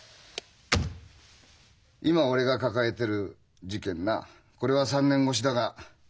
今俺が抱えてる事件なこれは３年越しだが。